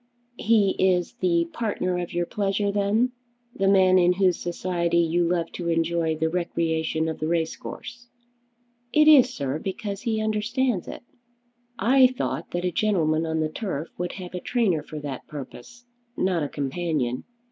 "He is the partner of your pleasure then; the man in whose society you love to enjoy the recreation of the race course." "It is, sir, because he understands it." "I thought that a gentleman on the turf would have a trainer for that purpose; not a companion.